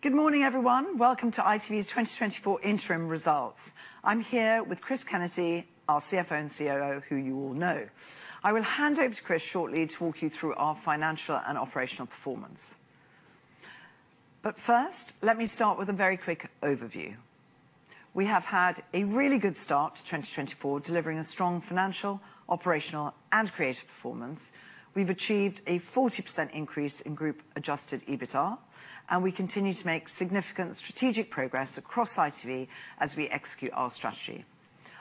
Good morning, everyone. Welcome to ITV's 2024 interim results. I'm here with Chris Kennedy, our CFO and COO, who you all know. I will hand over to Chris shortly to walk you through our financial and operational performance. But first, let me start with a very quick overview. We have had a really good start to 2024, delivering a strong financial, operational, and creative performance. We've achieved a 40% increase in group adjusted EBITDA, and we continue to make significant strategic progress across ITV as we execute our strategy.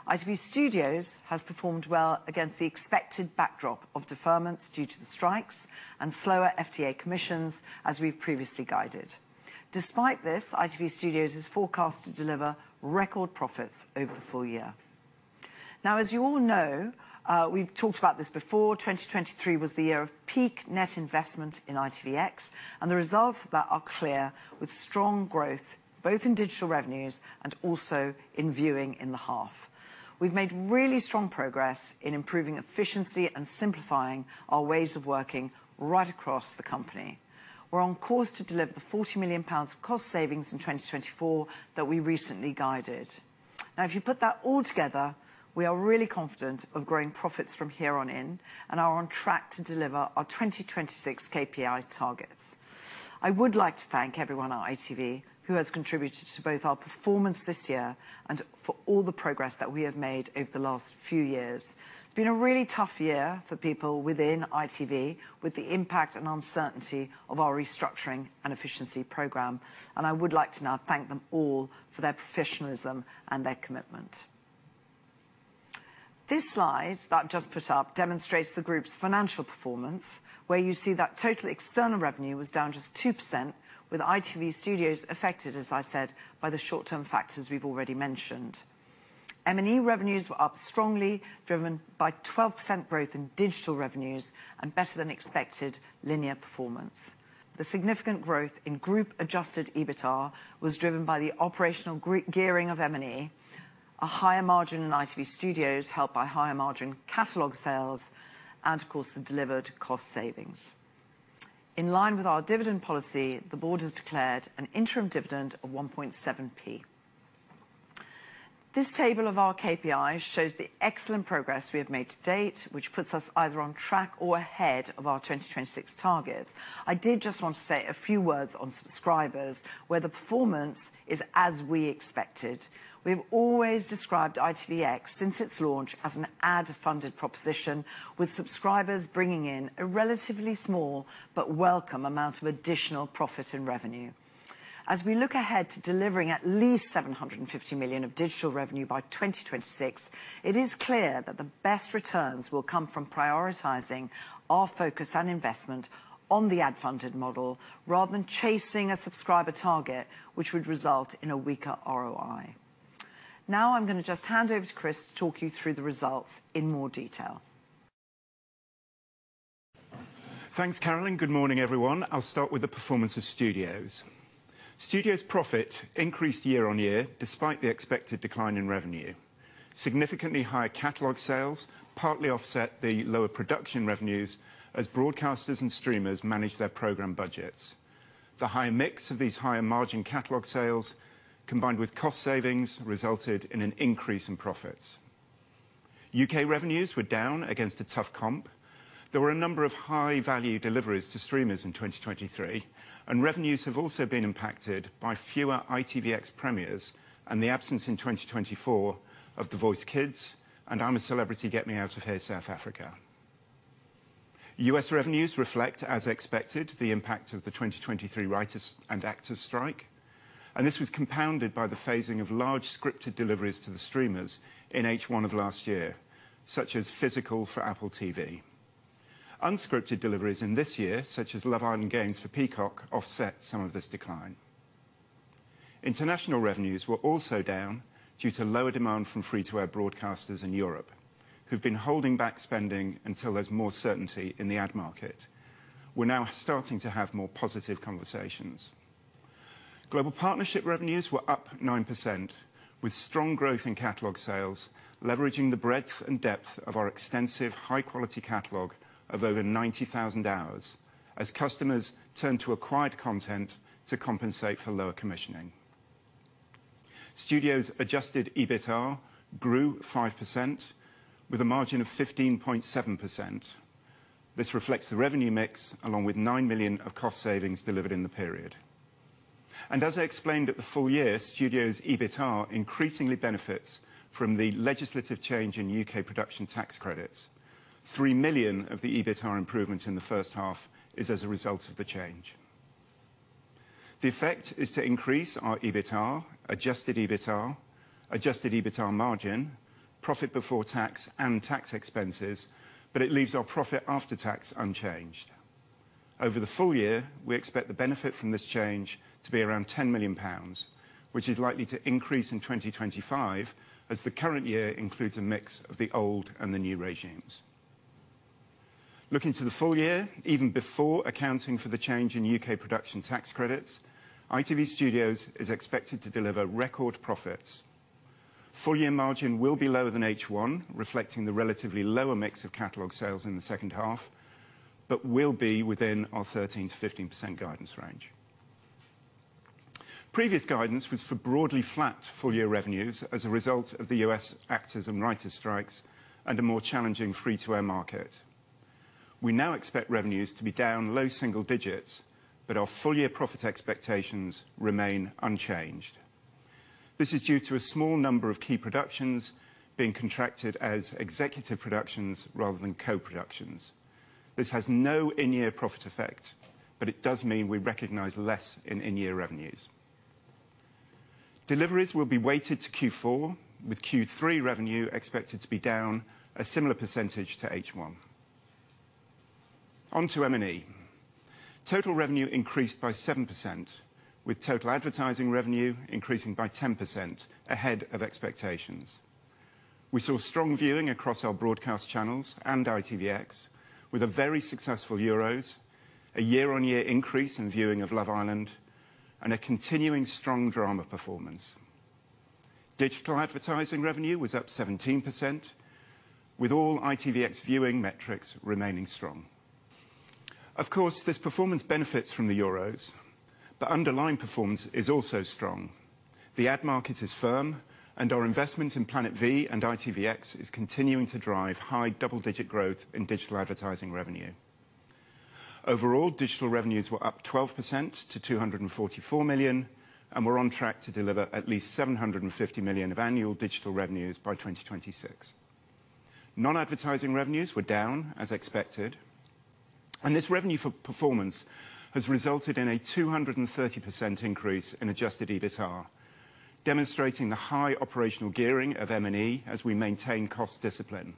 ITV Studios has performed well against the expected backdrop of deferments due to the strikes and slower FTA commissions, as we've previously guided. Despite this, ITV Studios is forecast to deliver record profits over the full year. Now, as you all know, we've talked about this before, 2023 was the year of peak net investment in ITVX, and the results of that are clear, with strong growth both in digital revenues and also in viewing in the half. We've made really strong progress in improving efficiency and simplifying our ways of working right across the company. We're on course to deliver the 40 million pounds of cost savings in 2024 that we recently guided. Now, if you put that all together, we are really confident of growing profits from here on in and are on track to deliver our 2026 KPI targets. I would like to thank everyone at ITV who has contributed to both our performance this year and for all the progress that we have made over the last few years. It's been a really tough year for people within ITV, with the impact and uncertainty of our restructuring and efficiency program, and I would like to now thank them all for their professionalism and their commitment. This slide that I've just put up demonstrates the group's financial performance, where you see that total external revenue was down just 2%, with ITV Studios affected, as I said, by the short-term factors we've already mentioned. M&E revenues were up strongly, driven by 12% growth in digital revenues and better than expected linear performance. The significant growth in group-adjusted EBITDA was driven by the operational gearing of M&E, a higher margin in ITV Studios, helped by higher margin catalog sales, and of course, the delivered cost savings. In line with our dividend policy, the board has declared an interim dividend of 1.7p. This table of our KPIs shows the excellent progress we have made to date, which puts us either on track or ahead of our 2026 targets. I did just want to say a few words on subscribers, where the performance is as we expected. We've always described ITVX since its launch as an ad-funded proposition, with subscribers bringing in a relatively small but welcome amount of additional profit and revenue. As we look ahead to delivering at least 750 million of digital revenue by 2026, it is clear that the best returns will come from prioritizing our focus on investment on the ad-funded model, rather than chasing a subscriber target, which would result in a weaker ROI. Now, I'm gonna just hand over to Chris to talk you through the results in more detail. Thanks, Carolyn. Good morning, everyone. I'll start with the performance of Studios. Studios profit increased year-on-year, despite the expected decline in revenue. Significantly higher catalog sales partly offset the lower production revenues as broadcasters and streamers managed their program budgets. The higher mix of these higher margin catalog sales, combined with cost savings, resulted in an increase in profits. UK revenues were down against a tough comp. There were a number of high-value deliveries to streamers in 2023, and revenues have also been impacted by fewer ITVX premieres and the absence in 2024 of The Voice Kids and I'm a Celebrity... Get Me Out of Here! South Africa. U.S. revenues reflect, as expected, the impact of the 2023 writers and actors strike, and this was compounded by the phasing of large scripted deliveries to the streamers in H1 of last year, such as Physical for Apple TV. Unscripted deliveries in this year, such as Love Island Games for Peacock, offset some of this decline. International revenues were also down due to lower demand from free-to-air broadcasters in Europe, who've been holding back spending until there's more certainty in the ad market. We're now starting to have more positive conversations. Global partnership revenues were up 9%, with strong growth in catalog sales, leveraging the breadth and depth of our extensive high-quality catalog of over 90,000 hours, as customers turn to acquired content to compensate for lower commissioning. Studios Adjusted EBITDA grew 5% with a margin of 15.7%. This reflects the revenue mix, along with 9 million of cost savings delivered in the period. As I explained at the full year, Studios' EBITDA increasingly benefits from the legislative change in UK production tax credits. 3 million of the EBITDA improvement in the first half is as a result of the change. The effect is to increase our EBITDA, adjusted EBITDA, adjusted EBITDA margin, profit before tax and tax expenses, but it leaves our profit after tax unchanged. Over the full year, we expect the benefit from this change to be around 10 million pounds, which is likely to increase in 2025, as the current year includes a mix of the old and the new regimes. Looking to the full year, even before accounting for the change in UK production tax credits, ITV Studios is expected to deliver record profits. Full year margin will be lower than H1, reflecting the relatively lower mix of catalog sales in the second half, but will be within our 13%-15% guidance range. Previous guidance was for broadly flat full year revenues as a result of the U.S. actors and writers strikes, and a more challenging free to air market. We now expect revenues to be down low single digits, but our full year profit expectations remain unchanged. This is due to a small number of key productions being contracted as executive productions rather than co-productions. This has no in-year profit effect, but it does mean we recognize less in in-year revenues. Deliveries will be weighted to Q4, with Q3 revenue expected to be down a similar percentage to H1. On to M&E. Total revenue increased by 7%, with total advertising revenue increasing by 10% ahead of expectations. We saw strong viewing across our broadcast channels and ITVX, with a very successful Euros, a year-on-year increase in viewing of Love Island, and a continuing strong drama performance. Digital advertising revenue was up 17%, with all ITVX viewing metrics remaining strong. Of course, this performance benefits from the Euros, but underlying performance is also strong. The ad market is firm, and our investment in Planet V and ITVX is continuing to drive high double-digit growth in digital advertising revenue. Overall, digital revenues were up 12% to 244 million, and we're on track to deliver at least 750 million of annual digital revenues by 2026. Non-advertising revenues were down, as expected, and this revenue performance has resulted in a 230% increase in adjusted EBITDA, demonstrating the high operational gearing of M&E as we maintain cost discipline.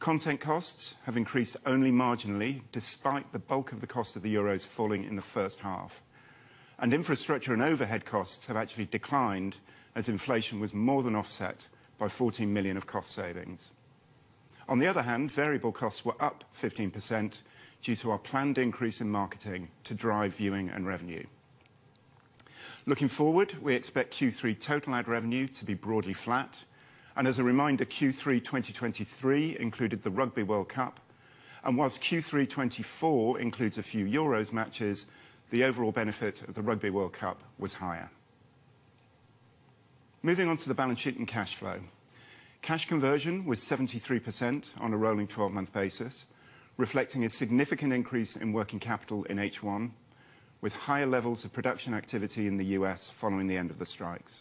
Content costs have increased only marginally, despite the bulk of the cost of the Euros falling in the first half, and infrastructure and overhead costs have actually declined as inflation was more than offset by 14 million of cost savings. On the other hand, variable costs were up 15% due to our planned increase in marketing to drive viewing and revenue. Looking forward, we expect Q3 total ad revenue to be broadly flat, and as a reminder, Q3 2023 included the Rugby World Cup, and whilst Q3 2024 includes a few Euros matches, the overall benefit of the Rugby World Cup was higher. Moving on to the balance sheet and cash flow. Cash conversion was 73% on a rolling 12-month basis, reflecting a significant increase in working capital in H1, with higher levels of production activity in the U.S. following the end of the strikes.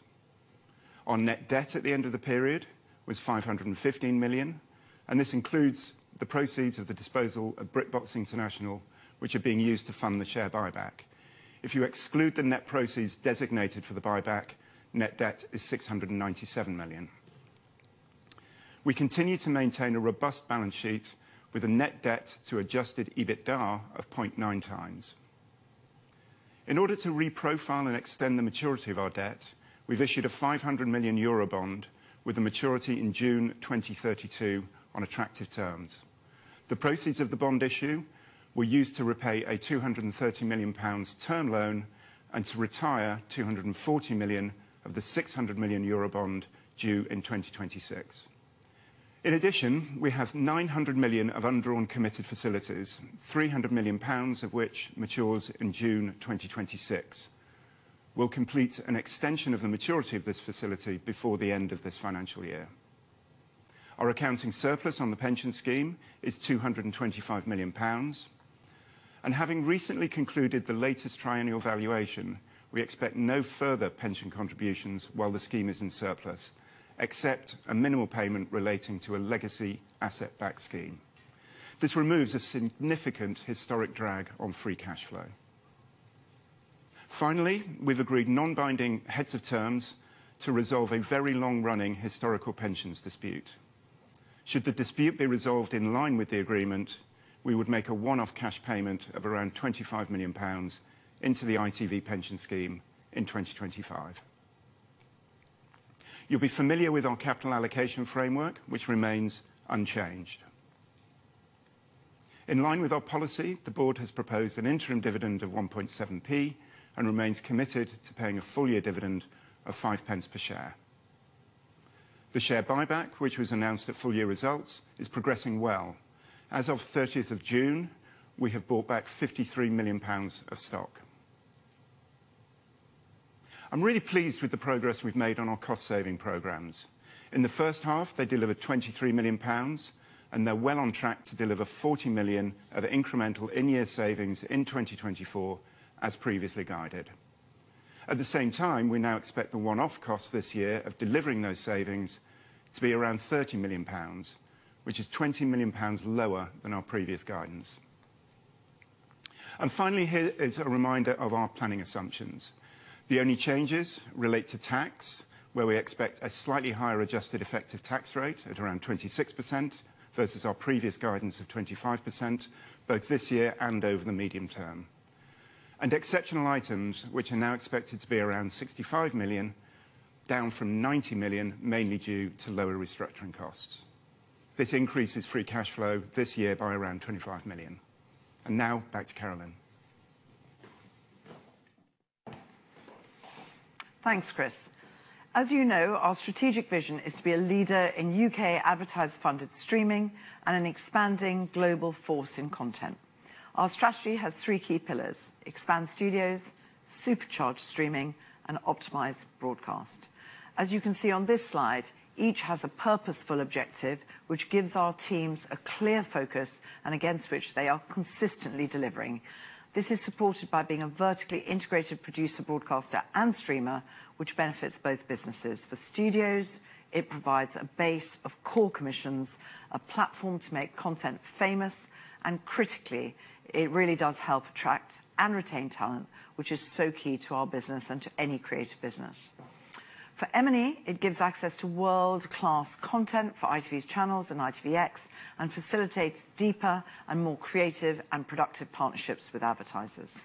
Our net debt at the end of the period was 515 million, and this includes the proceeds of the disposal of BritBox International, which are being used to fund the share buyback. If you exclude the net proceeds designated for the buyback, net debt is 697 million. We continue to maintain a robust balance sheet with a net debt to Adjusted EBITDA of 0.9 times. In order to reprofile and extend the maturity of our debt, we've issued a 500 million Euro bond with a maturity in June 2032 on attractive terms. The proceeds of the bond issue were used to repay a 230 million pounds term loan and to retire 240 million of the 600 million Euro bond due in 2026. In addition, we have 900 million of undrawn committed facilities, 300 million pounds of which matures in June 2026. We'll complete an extension of the maturity of this facility before the end of this financial year. Our accounting surplus on the pension scheme is 225 million pounds, and having recently concluded the latest triennial valuation, we expect no further pension contributions while the scheme is in surplus, except a minimal payment relating to a legacy asset-backed scheme. This removes a significant historic drag on free cash flow. Finally, we've agreed non-binding heads of terms to resolve a very long-running historical pensions dispute. Should the dispute be resolved in line with the agreement, we would make a one-off cash payment of around 25 million pounds into the ITV pension scheme in 2025. You'll be familiar with our capital allocation framework, which remains unchanged. In line with our policy, the board has proposed an interim dividend of 1.7p, and remains committed to paying a full year dividend of 5p per share. The share buyback, which was announced at full year results, is progressing well. As of 30th of June, we have bought back 53 million pounds of stock. I'm really pleased with the progress we've made on our cost saving programs. In the first half, they delivered 23 million pounds, and they're well on track to deliver 40 million of incremental in-year savings in 2024 as previously guided. At the same time, we now expect the one-off cost this year of delivering those savings to be around 30 million pounds, which is 20 million pounds lower than our previous guidance. And finally, here is a reminder of our planning assumptions. The only changes relate to tax, where we expect a slightly higher adjusted effective tax rate at around 26% versus our previous guidance of 25%, both this year and over the medium term. Exceptional items, which are now expected to be around 65 million, down from 90 million, mainly due to lower restructuring costs. This increases free cash flow this year by around 25 million. Now, back to Carolyn.... Thanks, Chris. As you know, our strategic vision is to be a leader in UK ad-funded streaming and an expanding global force in content. Our strategy has three key pillars: expand studios, supercharge streaming, and optimize broadcast. As you can see on this slide, each has a purposeful objective, which gives our teams a clear focus and against which they are consistently delivering. This is supported by being a vertically integrated producer, broadcaster, and streamer, which benefits both businesses. For studios, it provides a base of core commissions, a platform to make content famous, and critically, it really does help attract and retain talent, which is so key to our business and to any creative business. For M&E, it gives access to world-class content for ITV's channels and ITVX, and facilitates deeper and more creative and productive partnerships with advertisers.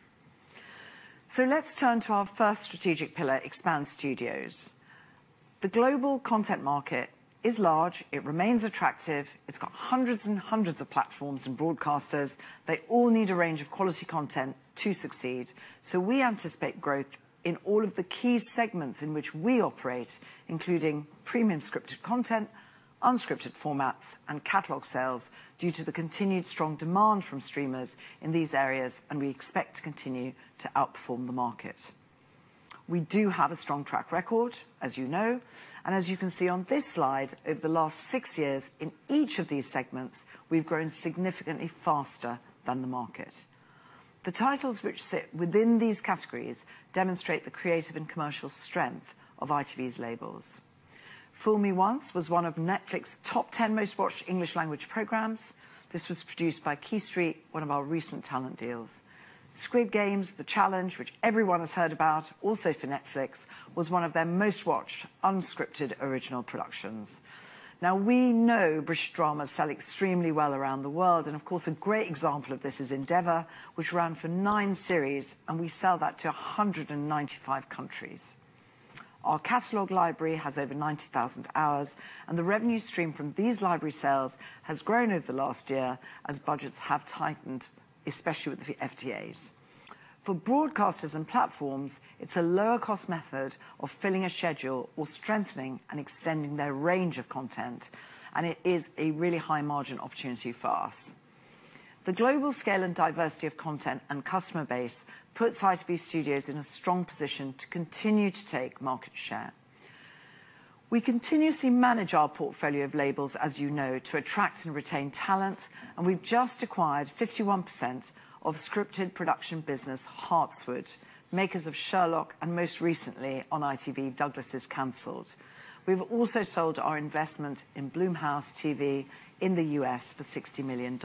So let's turn to our first strategic pillar, expand studios. The global content market is large, it remains attractive, it's got hundreds and hundreds of platforms and broadcasters. They all need a range of quality content to succeed. So we anticipate growth in all of the key segments in which we operate, including premium scripted content, unscripted formats, and catalog sales, due to the continued strong demand from streamers in these areas, and we expect to continue to outperform the market. We do have a strong track record, as you know, and as you can see on this slide, over the last 6 years, in each of these segments, we've grown significantly faster than the market. The titles which sit within these categories demonstrate the creative and commercial strength of ITV's labels. Fool Me Once was one of Netflix's top 10 most-watched English language programs. This was produced by Quay Street, one of our recent talent deals. Squid Game: The Challenge, which everyone has heard about, also for Netflix, was one of their most-watched unscripted, original productions. Now, we know British dramas sell extremely well around the world, and of course, a great example of this is Endeavour, which ran for nine series, and we sell that to 195 countries. Our catalog library has over 90,000 hours, and the revenue stream from these library sales has grown over the last year as budgets have tightened, especially with the FTAs. For broadcasters and platforms, it's a lower-cost method of filling a schedule or strengthening and extending their range of content, and it is a really high-margin opportunity for us. The global scale and diversity of content and customer base puts ITV Studios in a strong position to continue to take market share. We continuously manage our portfolio of labels, as you know, to attract and retain talent, and we've just acquired 51% of scripted production business, Hartswood, makers of Sherlock, and most recently on ITV, Douglas Is Cancelled. We've also sold our investment in Blumhouse Television in the U.S. for $60 million.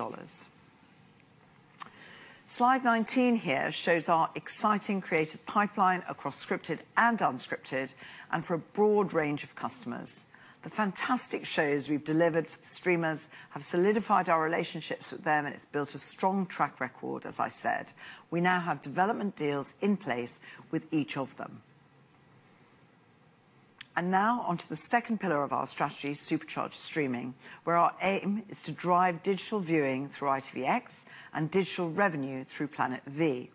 Slide 19 here shows our exciting creative pipeline across scripted and unscripted, and for a broad range of customers. The fantastic shows we've delivered for the streamers have solidified our relationships with them, and it's built a strong track record, as I said. We now have development deals in place with each of them. Now on to the second pillar of our strategy, Supercharged Streaming, where our aim is to drive digital viewing through ITVX and digital revenue through Planet V.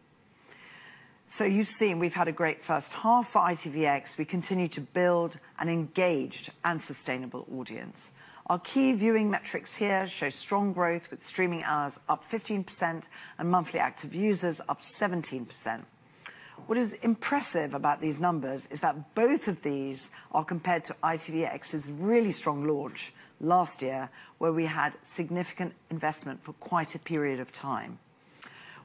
You've seen we've had a great first half for ITVX. We continue to build an engaged and sustainable audience. Our key viewing metrics here show strong growth, with streaming hours up 15% and monthly active users up 17%. What is impressive about these numbers is that both of these are compared to ITVX's really strong launch last year, where we had significant investment for quite a period of time.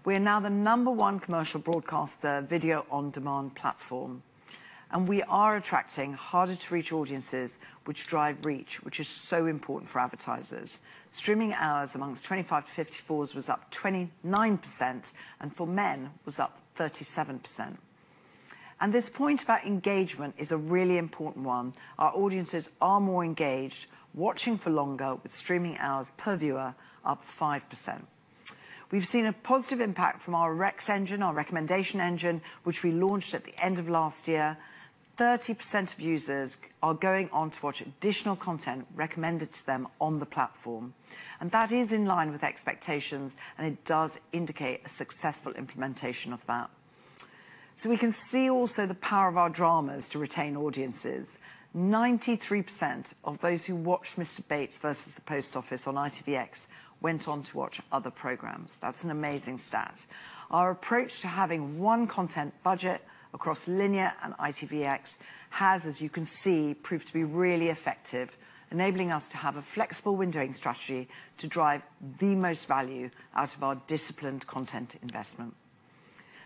We are now the number one commercial broadcaster video on-demand platform, and we are attracting harder to reach audiences which drive reach, which is so important for advertisers. Streaming hours among 25-54s was up 29%, and for men was up 37%. This point about engagement is a really important one. Our audiences are more engaged, watching for longer, with streaming hours per viewer up 5%. We've seen a positive impact from our recs engine, our recommendation engine, which we launched at the end of last year. 30% of users are going on to watch additional content recommended to them on the platform, and that is in line with expectations, and it does indicate a successful implementation of that. So we can see also the power of our dramas to retain audiences. 93% of those who watched Mr Bates vs The Post Office on ITVX went on to watch other programs. That's an amazing stat. Our approach to having one content budget across linear and ITVX has, as you can see, proved to be really effective, enabling us to have a flexible windowing strategy to drive the most value out of our disciplined content investment.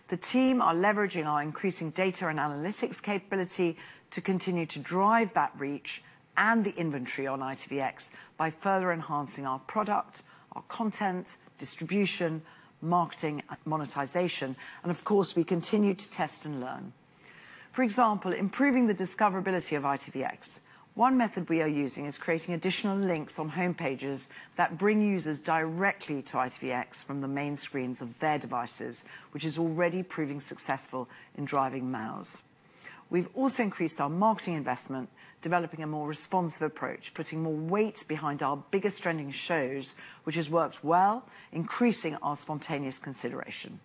The team are leveraging our increasing data and analytics capability to continue to drive that reach and the inventory on ITVX by further enhancing our product, our content, distribution, marketing, and monetization, and of course, we continue to test and learn. For example, improving the discoverability of ITVX. One method we are using is creating additional links on homepages that bring users directly to ITVX from the main screens of their devices, which is already proving successful in driving MAUs.... We've also increased our marketing investment, developing a more responsive approach, putting more weight behind our biggest trending shows, which has worked well, increasing our spontaneous consideration.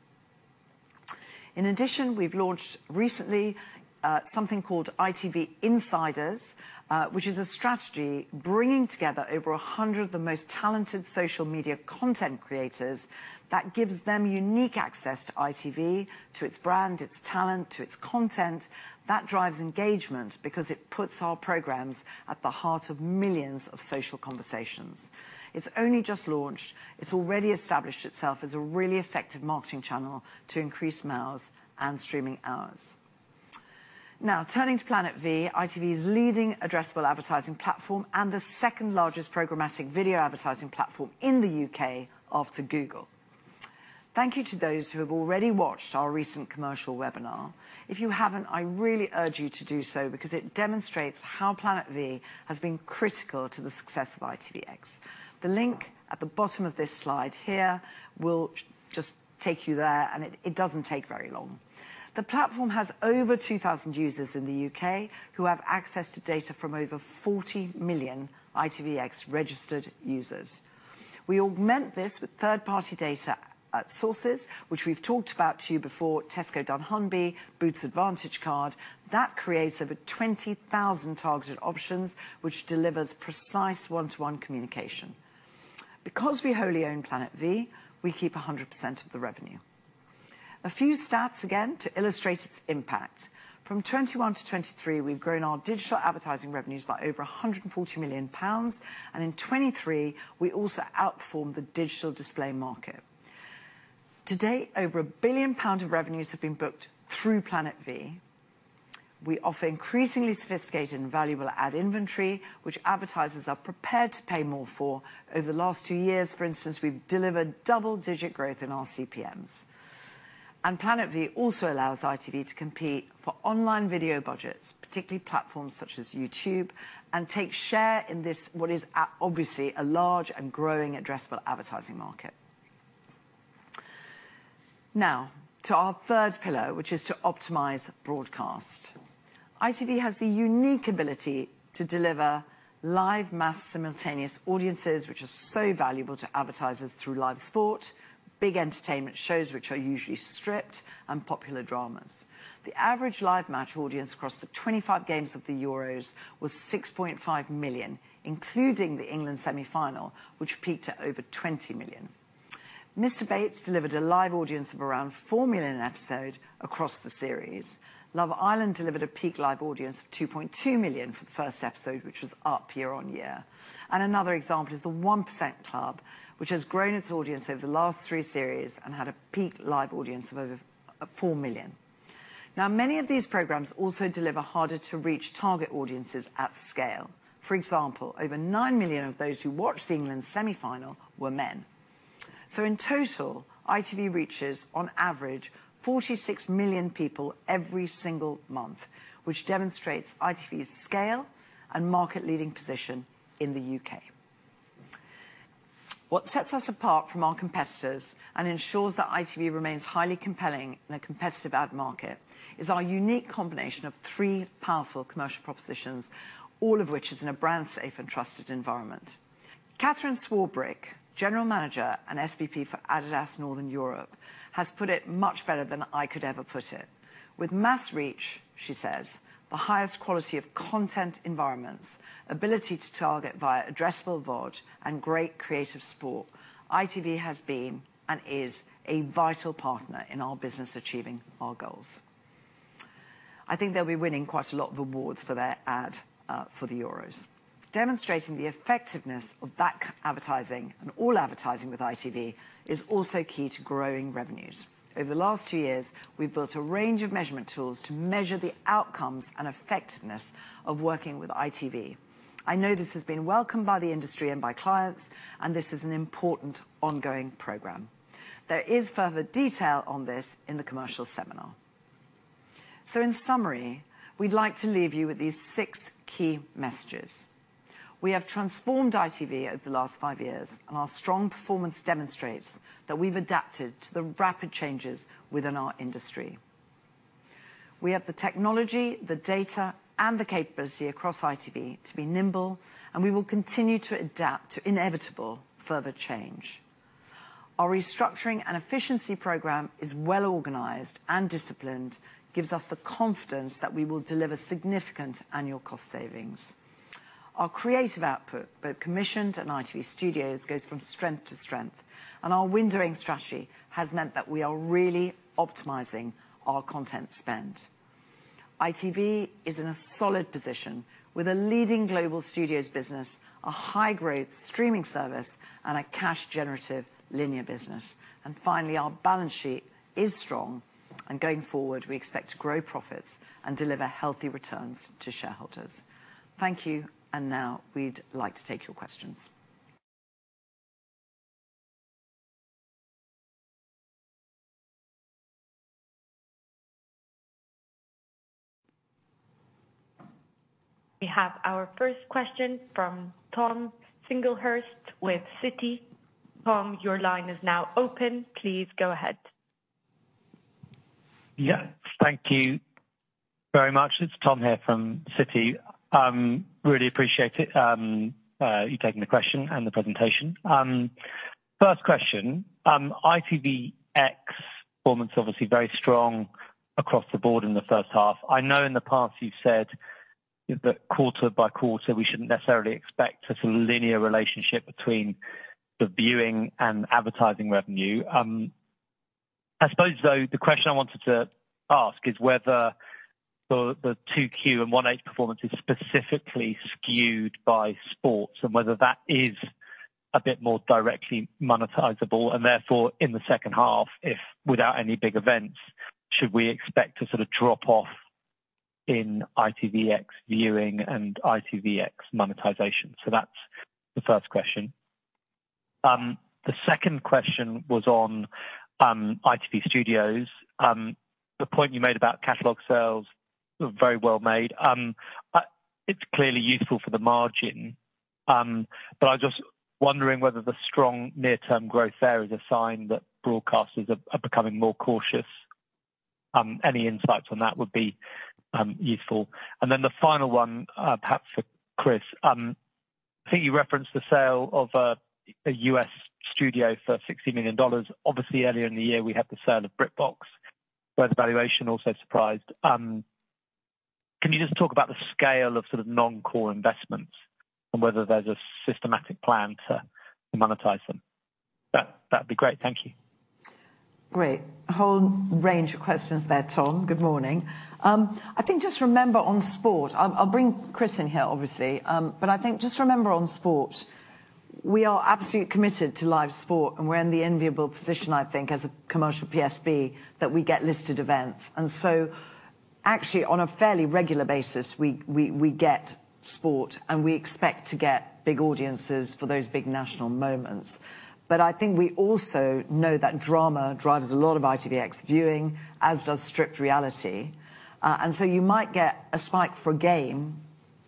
In addition, we've launched recently, something called ITV Insiders, which is a strategy bringing together over 100 of the most talented social media content creators that gives them unique access to ITV, to its brand, its talent, to its content. That drives engagement because it puts our programs at the heart of millions of social conversations. It's only just launched. It's already established itself as a really effective marketing channel to increase males and streaming hours. Now, turning to Planet V, ITV's leading addressable advertising platform, and the second largest programmatic video advertising platform in the U.K. after Google. Thank you to those who have already watched our recent commercial webinar. If you haven't, I really urge you to do so because it demonstrates how Planet V has been critical to the success of ITVX. The link at the bottom of this slide here will just take you there, and it, it doesn't take very long. The platform has over 2,000 users in the U.K. who have access to data from over 40 million ITVX registered users. We augment this with third-party data at sources, which we've talked about to you before, Tesco dunnhumby, Boots Advantage Card, that creates over 20,000 targeted options, which delivers precise one-to-one communication. Because we wholly own Planet V, we keep 100% of the revenue. A few stats again, to illustrate its impact. From 2021 to 2023, we've grown our digital advertising revenues by over 140 million pounds, and in 2023, we also outperformed the digital display market. To date, over 1 billion pound of revenues have been booked through Planet V. We offer increasingly sophisticated and valuable ad inventory, which advertisers are prepared to pay more for. Over the last two years, for instance, we've delivered double-digit growth in our CPMs. And Planet V also allows ITV to compete for online video budgets, particularly platforms such as YouTube, and take share in this, what is obviously, a large and growing addressable advertising market. Now, to our third pillar, which is to optimize broadcast. ITV has the unique ability to deliver live mass simultaneous audiences, which are so valuable to advertisers through live sport, big entertainment shows, which are usually stripped, and popular dramas. The average live match audience across the 25 games of the Euros was 6.5 million, including the England semifinal, which peaked at over 20 million. Mr. Bates delivered a live audience of around 4 million an episode across the series. Love Island delivered a peak live audience of 2.2 million for the first episode, which was up year-on-year. Another example is The 1% Club, which has grown its audience over the last three series and had a peak live audience of over 4 million. Now, many of these programs also deliver harder-to-reach target audiences at scale. For example, over 9 million of those who watched England's semifinal were men. So in total, ITV reaches on average 46 million people every single month, which demonstrates ITV's scale and market-leading position in the UK. What sets us apart from our competitors and ensures that ITV remains highly compelling in a competitive ad market is our unique combination of three powerful commercial propositions, all of which is in a brand-safe and trusted environment. Kathryn Swarbrick, General Manager and SVP for Adidas Northern Europe, has put it much better than I could ever put it. With mass reach," she says, "the highest quality of content environments, ability to target via addressable VOD, and great creative sport, ITV has been, and is, a vital partner in our business achieving our goals." I think they'll be winning quite a lot of awards for their ad for the Euros. Demonstrating the effectiveness of that advertising and all advertising with ITV is also key to growing revenues. Over the last two years, we've built a range of measurement tools to measure the outcomes and effectiveness of working with ITV. I know this has been welcomed by the industry and by clients, and this is an important ongoing program. There is further detail on this in the commercial seminar. So in summary, we'd like to leave you with these six key messages. We have transformed ITV over the last five years, and our strong performance demonstrates that we've adapted to the rapid changes within our industry. We have the technology, the data, and the capability across ITV to be nimble, and we will continue to adapt to inevitable further change. Our restructuring and efficiency program is well-organized and disciplined, gives us the confidence that we will deliver significant annual cost savings. Our creative output, both commissioned and ITV Studios, goes from strength to strength, and our windowing strategy has meant that we are really optimizing our content spend. ITV is in a solid position with a leading global studios business, a high-growth streaming service, and a cash-generative linear business. Finally, our balance sheet is strong, and going forward, we expect to grow profits and deliver healthy returns to shareholders. Thank you, and now we'd like to take your questions.... We have our first question from Tom Singlehurst with Citi. Tom, your line is now open. Please go ahead. Yeah, thank you very much. It's Tom here from Citi. Really appreciate it, you taking the question and the presentation. First question, ITVX performance obviously very strong across the board in the first half. I know in the past you've said that quarter by quarter, we shouldn't necessarily expect a sort of linear relationship between the viewing and advertising revenue. I suppose, though, the question I wanted to ask is whether the 2Q and 1H performance is specifically skewed by sports, and whether that is a bit more directly monetizable, and therefore, in the second half, if without any big events, should we expect to sort of drop off in ITVX viewing and ITVX monetization? So that's the first question. The second question was on ITV Studios. The point you made about catalog sales were very well made. It's clearly useful for the margin, but I was just wondering whether the strong near-term growth there is a sign that broadcasters are becoming more cautious. Any insights on that would be useful. And then the final one, perhaps for Chris. I think you referenced the sale of a US studio for $60 million. Obviously, earlier in the year, we had the sale of BritBox, where the valuation also surprised. Can you just talk about the scale of sort of non-core investments and whether there's a systematic plan to monetize them? That'd be great. Thank you. Great. Whole range of questions there, Tom. Good morning. I think just remember on sport, I'll bring Chris in here, obviously. But I think just remember on sport, we are absolutely committed to live sport, and we're in the enviable position, I think, as a commercial PSB, that we get listed events. And so, actually, on a fairly regular basis, we get sport, and we expect to get big audiences for those big national moments. But I think we also know that drama drives a lot of ITVX viewing, as does strict reality. And so you might get a spike for a game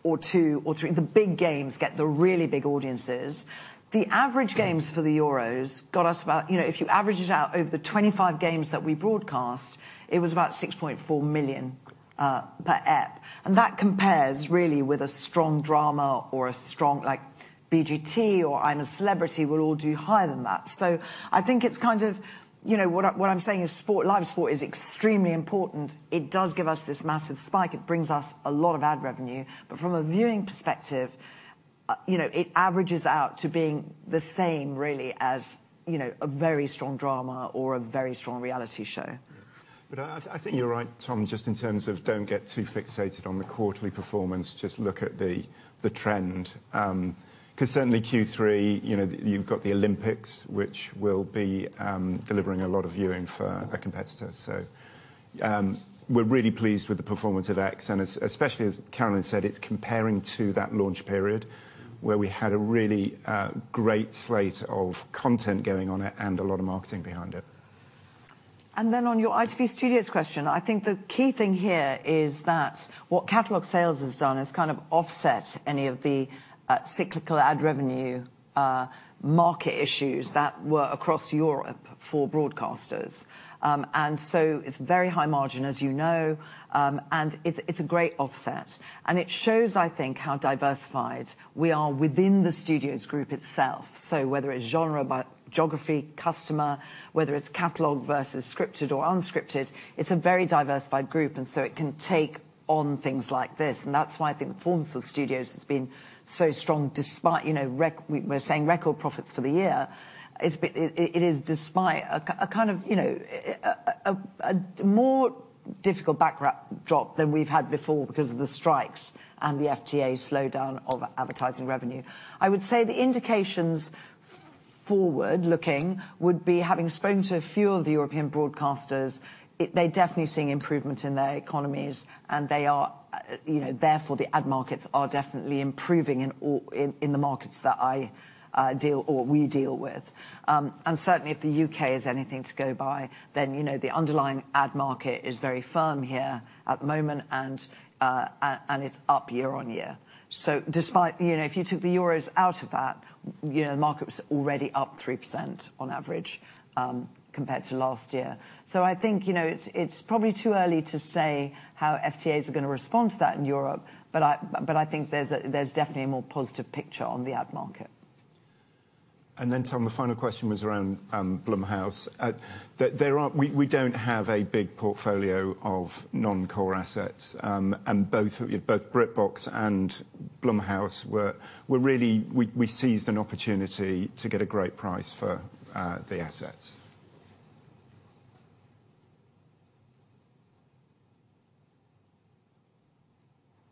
or two or three. The big games get the really big audiences. The average games for the Euros got us about, you know, if you average it out over the 25 games that we broadcast, it was about 6.4 million per ep. And that compares really with a strong drama or a strong, like BGT or I'm a Celebrity, will all do higher than that. So I think it's kind of, you know, what I'm, what I'm saying is sport, live sport is extremely important. It does give us this massive spike. It brings us a lot of ad revenue, but from a viewing perspective, you know, it averages out to being the same really as, you know, a very strong drama or a very strong reality show. But I think you're right, Tom, just in terms of don't get too fixated on the quarterly performance, just look at the trend. 'Cause certainly Q3, you know, you've got the Olympics, which will be delivering a lot of viewing for a competitor. So, we're really pleased with the performance of ITVX, and especially as Carolyn said, it's comparing to that launch period, where we had a really great slate of content going on it and a lot of marketing behind it. And then on your ITV Studios question, I think the key thing here is that what catalog sales has done is kind of offset any of the cyclical ad revenue market issues that were across Europe for broadcasters. And so it's very high margin, as you know, and it's a great offset. And it shows, I think, how diversified we are within the studios group itself. So whether it's genre, by geography, customer, whether it's catalog versus scripted or unscripted, it's a very diversified group, and so it can take on things like this. And that's why I think the performance of Studios has been so strong, despite, you know, we're saying record profits for the year. It is despite a kind of, you know, a more difficult backdrop than we've had before because of the strikes and the FTA slowdown of advertising revenue. I would say the indications forward-looking would be, having spoken to a few of the European broadcasters, it—they're definitely seeing improvement in their economies, and they are, you know, therefore, the ad markets are definitely improving in all, in the markets that I deal, or we deal with. And certainly if the U.K. is anything to go by, then, you know, the underlying ad market is very firm here at the moment, and—and it's up year-on-year. So despite, you know, if you took the Euros out of that, you know, the market was already up 3% on average, compared to last year. I think, you know, it's, it's probably too early to say how FTAs are gonna respond to that in Europe, but I, but I think there's a, there's definitely a more positive picture on the ad market. Then, Tom, the final question was around Blumhouse. There aren't. We don't have a big portfolio of non-core assets, and both BritBox and Blumhouse were really... We seized an opportunity to get a great price for the assets.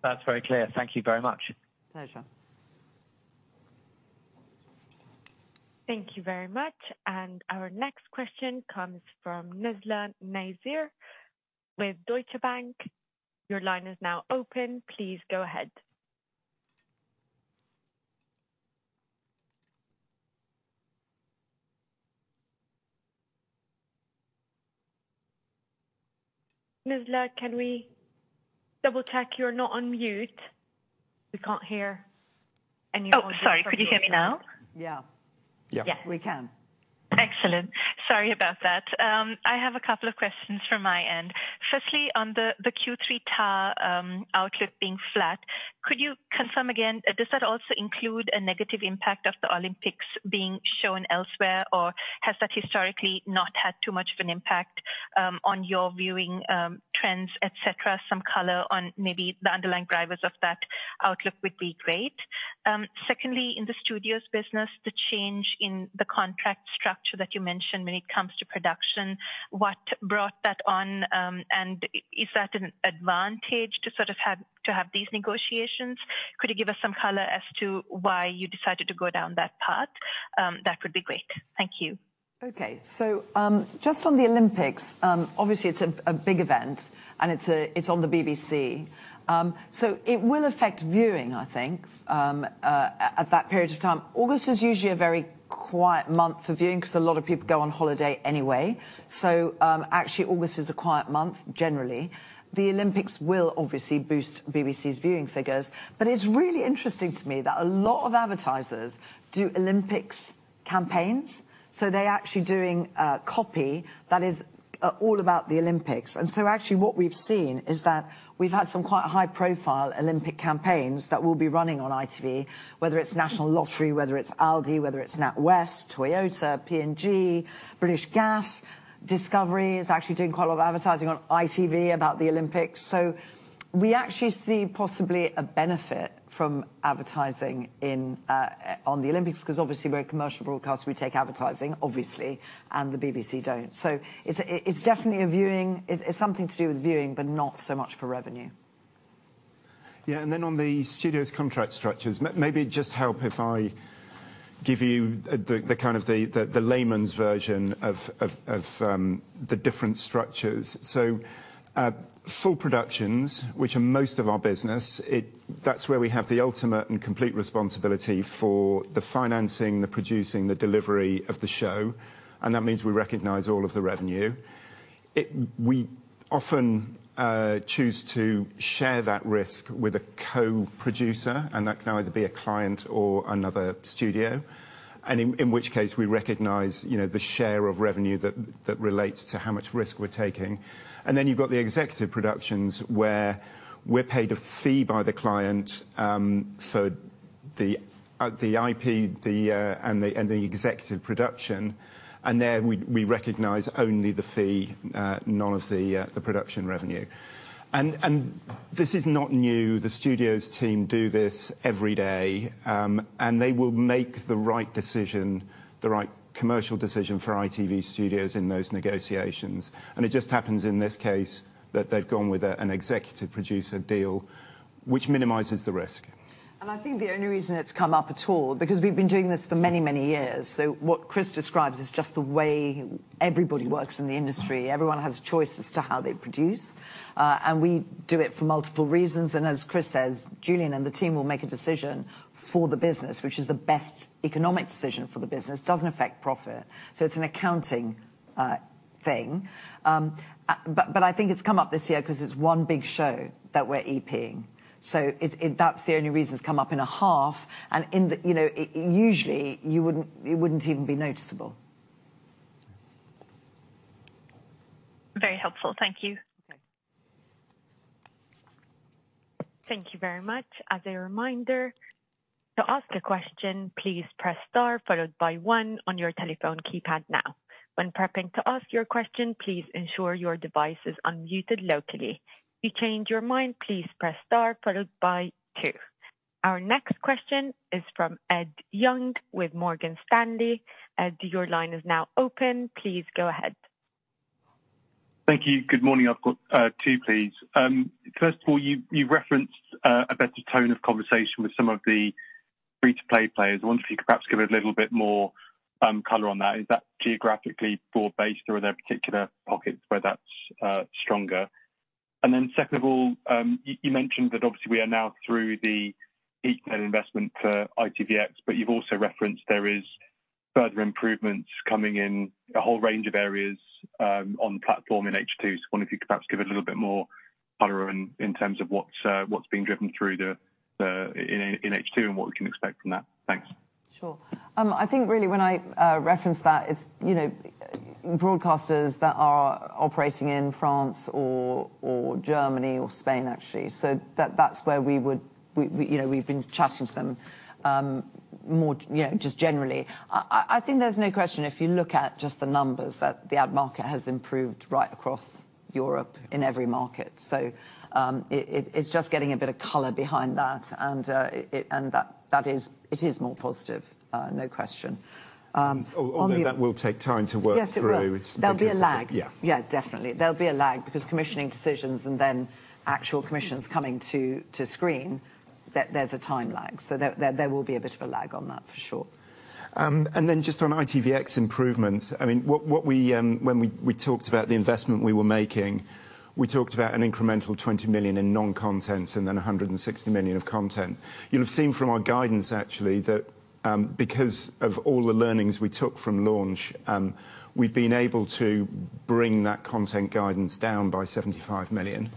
That's very clear. Thank you very much. Pleasure. Thank you very much. Our next question comes from Nizla Naizer with Deutsche Bank. Your line is now open. Please go ahead... Nizla, can we double check you're not on mute? We can't hear anything. Oh, sorry. Could you hear me now? Yeah. Yeah. Yes, we can. Excellent. Sorry about that. I have a couple of questions from my end. Firstly, on the Q3 target outlook being flat, could you confirm again? Does that also include a negative impact of the Olympics being shown elsewhere? Or has that historically not had too much of an impact on your viewing trends, etc.? Some color on maybe the underlying drivers of that outlook would be great. Secondly, in the studios business, the change in the contract structure that you mentioned when it comes to production, what brought that on, and is that an advantage to sort of have these negotiations? Could you give us some color as to why you decided to go down that path? That would be great. Thank you. Okay. So, just on the Olympics, obviously it's a big event, and it's on the BBC. So it will affect viewing, I think, at that period of time. August is usually a very quiet month for viewing because a lot of people go on holiday anyway. So, actually, August is a quiet month, generally. The Olympics will obviously boost BBC's viewing figures, but it's really interesting to me that a lot of advertisers do Olympics campaigns, so they're actually doing copy that is all about the Olympics. And so actually what we've seen is that we've had some quite high-profile Olympic campaigns that will be running on ITV, whether it's National Lottery, whether it's Aldi, whether it's NatWest, Toyota, P&G, British Gas. Discovery is actually doing quite a lot of advertising on ITV about the Olympics. So we actually see possibly a benefit from advertising in on the Olympics, because obviously we're a commercial broadcaster. We take advertising, obviously, and the BBC don't. So it's definitely something to do with viewing, but not so much for revenue. Yeah, and then on the studios contract structures, maybe just help if I give you the kind of layman's version of the different structures. So, full productions, which are most of our business, that's where we have the ultimate and complete responsibility for the financing, the producing, the delivery of the show, and that means we recognize all of the revenue. We often choose to share that risk with a co-producer, and that can either be a client or another studio, and in which case, we recognize, you know, the share of revenue that relates to how much risk we're taking. And then you've got the executive productions, where we're paid a fee by the client for the IP and the executive production. There, we recognize only the fee, none of the production revenue. This is not new. The studios team do this every day, and they will make the right decision, the right commercial decision for ITV Studios in those negotiations. It just happens, in this case, that they've gone with an executive producer deal, which minimizes the risk. I think the only reason it's come up at all, because we've been doing this for many, many years, so what Chris describes is just the way everybody works in the industry. Everyone has choices to how they produce, and we do it for multiple reasons. And as Chris says, Julian and the team will make a decision for the business, which is the best economic decision for the business. Doesn't affect profit, so it's an accounting thing. But I think it's come up this year because it's one big show that we're EP-ing. So it-- that's the only reason it's come up in a half, and in the, you know, it usually, you wouldn't, it wouldn't even be noticeable. Very helpful. Thank you. Okay. Thank you very much. As a reminder, to ask a question, please press star followed by one on your telephone keypad now. When prepping to ask your question, please ensure your device is unmuted locally. If you change your mind, please press star followed by two. Our next question is from Ed Young with Morgan Stanley. Ed, your line is now open. Please go ahead. Thank you. Good morning. I've got, two, please. First of all, you, you referenced, a better tone of conversation with some of the free-to-air players. I wonder if you could perhaps give a little bit more, color on that. Is that geographically broad-based, or are there particular pockets where that's, stronger? And then second of all, you, you mentioned that obviously we are now through the initial investment for ITVX, but you've also referenced there is further improvements coming in a whole range of areas, on the platform in H2. So I wonder if you could perhaps give a little bit more color in, in terms of what's, what's being driven through the, the, in, in H2 and what we can expect from that? Thanks. Sure. I think really when I referenced that, it's, you know, broadcasters that are operating in France or, or Germany or Spain, actually. So that, that's where we would, you know, we've been chatting to them, more, you know, just generally. I think there's no question, if you look at just the numbers, that the ad market has improved right across Europe in every market. So, it's just getting a bit of color behind that, and that is, it is more positive, no question. On the- Although that will take time to work through. Yes, it will. There'll be a lag. Yeah. Yeah, definitely. There'll be a lag, because commissioning decisions and then actual commissions coming to screen, there's a time lag, so there will be a bit of a lag on that for sure. And then just on ITVX improvements, I mean, what we, when we talked about the investment we were making... ... We talked about an incremental 20 million in non-content and then 160 million of content. You'll have seen from our guidance, actually, that, because of all the learnings we took from launch, we've been able to bring that content guidance down by 75 million,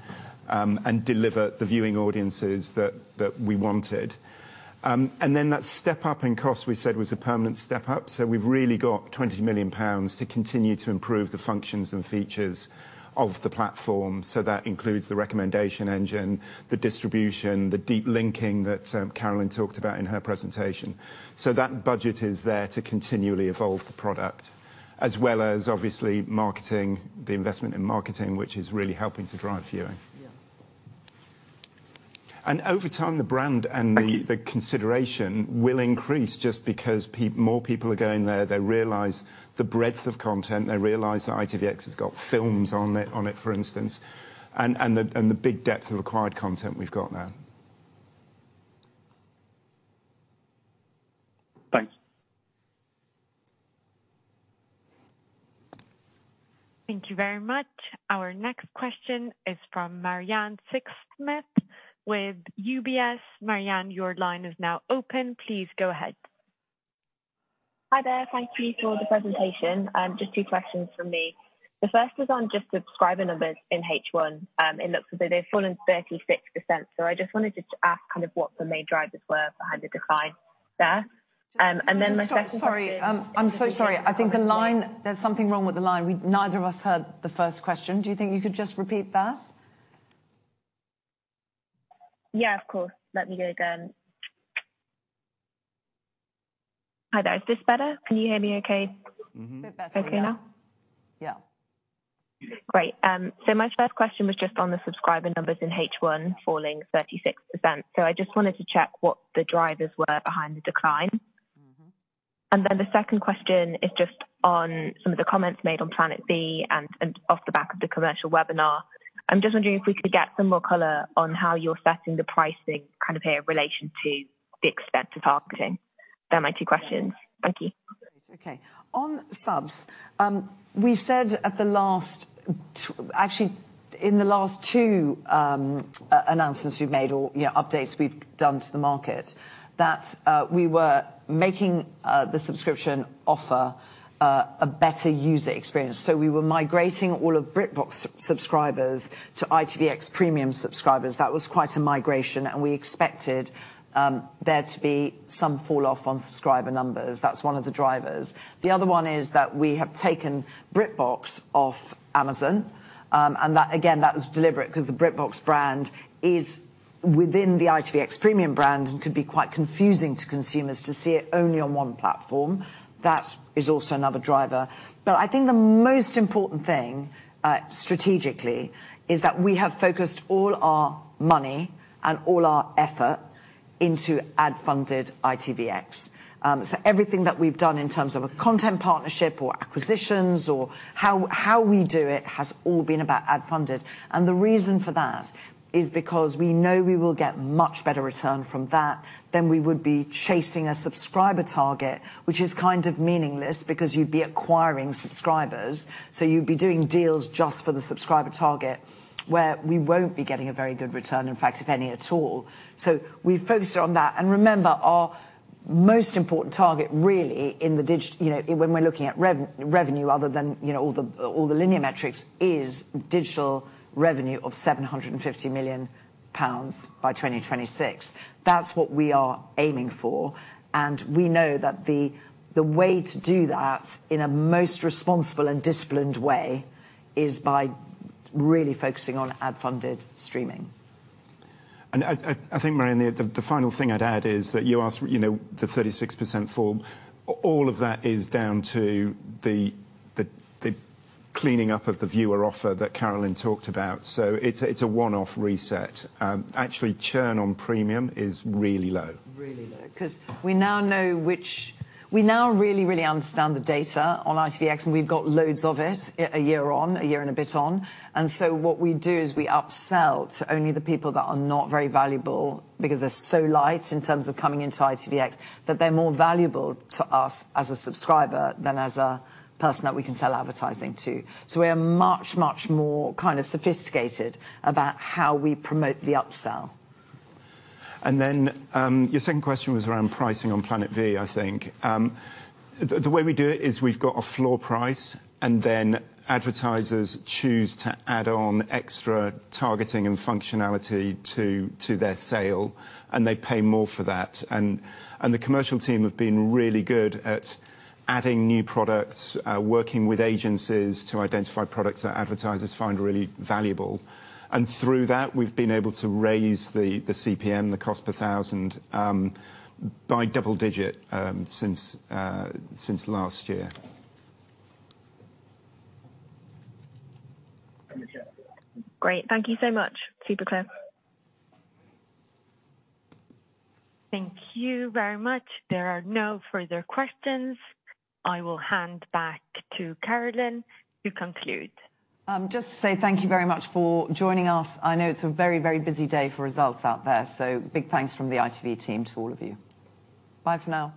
and deliver the viewing audiences that we wanted. And then that step up in cost, we said, was a permanent step up, so we've really got 20 million pounds to continue to improve the functions and features of the platform. So that includes the recommendation engine, the distribution, the deep linking that Carolyn talked about in her presentation. So that budget is there to continually evolve the product, as well as obviously marketing, the investment in marketing, which is really helping to drive viewing. Yeah. Over time, the brand and the consideration will increase just because more people are going there. They realize the breadth of content. They realize that ITVX has got films on it, for instance, and the big depth of acquired content we've got now. Thanks. Thank you very much. Our next question is from Marianna Sixsmith with UBS. Marianne, your line is now open. Please go ahead. Hi there. Thank you for the presentation. Just two questions from me. The first is on just subscriber numbers in H1. It looks as though they've fallen 36%, so I just wanted to ask kind of what the main drivers were behind the decline there. And then my second- Sorry. I'm so sorry. I think the line... There's something wrong with the line. We neither of us heard the first question. Do you think you could just repeat that? Yeah, of course. Let me go again. Hi there. Is this better? Can you hear me okay? Mm-hmm. Bit better. Okay now? Yeah. Great. So my first question was just on the subscriber numbers in H1 falling 36%. So I just wanted to check what the drivers were behind the decline. Mm-hmm. And then the second question is just on some of the comments made on Planet V and off the back of the commercial webinar. I'm just wondering if we could get some more color on how you're setting the pricing kind of in relation to the expense of marketing. They are my two questions. Thank you. Okay. On subs, we said at the last two, actually, in the last two announcements we've made or, you know, updates we've done to the market, that we were making the subscription offer a better user experience. So we were migrating all of BritBox subscribers to ITVX premium subscribers. That was quite a migration, and we expected there to be some fall off on subscriber numbers. That's one of the drivers. The other one is that we have taken BritBox off Amazon, and that, again, that was deliberate, 'cause the BritBox brand is within the ITVX premium brand and could be quite confusing to consumers to see it only on one platform. That is also another driver. But I think the most important thing strategically is that we have focused all our money and all our effort into ad-funded ITVX. So everything that we've done in terms of a content partnership or acquisitions or how we do it, has all been about ad-funded. And the reason for that is because we know we will get much better return from that than we would be chasing a subscriber target, which is kind of meaningless, because you'd be acquiring subscribers. So you'd be doing deals just for the subscriber target, where we won't be getting a very good return, in fact, if any at all. So we've focused on that. And remember, our most important target, really, in the digital, you know, when we're looking at revenue other than, you know, all the linear metrics, is digital revenue of 750 million pounds by 2026. That's what we are aiming for, and we know that the way to do that in a most responsible and disciplined way is by really focusing on ad-funded streaming. And I think, Marianne, the final thing I'd add is that you asked, you know, the 36% fall. All of that is down to the cleaning up of the viewer offer that Carolyn talked about, so it's a one-off reset. Actually, churn on premium is really low. Really low. 'Cause we now really, really understand the data on ITVX, and we've got loads of it a year on, a year and a bit on. And so what we do is we upsell to only the people that are not very valuable because they're so light in terms of coming into ITVX, that they're more valuable to us as a subscriber than as a person that we can sell advertising to. So we are much, much more kind of sophisticated about how we promote the upsell. Then, your second question was around pricing on Planet V, I think. The way we do it is we've got a floor price, and then advertisers choose to add on extra targeting and functionality to their sale, and they pay more for that. The commercial team have been really good at adding new products, working with agencies to identify products that advertisers find really valuable. Through that, we've been able to raise the CPM, the cost per thousand, by double digit, since last year. Great. Thank you so much. Super clear. Thank you very much. There are no further questions. I will hand back to Carolyn to conclude. Just to say thank you very much for joining us. I know it's a very, very busy day for results out there, so big thanks from the ITV team to all of you. Bye for now.